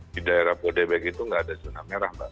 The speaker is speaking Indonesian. di daerah podbg itu nggak ada zona merah